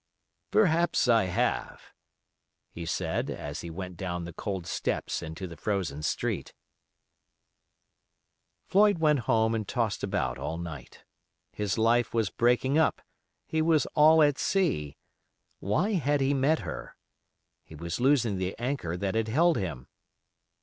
"Perhaps I have," he said as he went down the cold steps into the frozen street. Floyd went home and tossed about all night. His life was breaking up, he was all at sea. Why had he met her? He was losing the anchor that had held him.